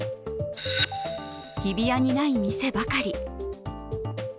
日比谷にない店ばかり。